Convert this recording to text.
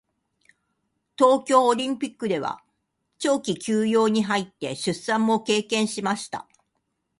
東京オリンピックでは長期休養に入って出産も経験しました。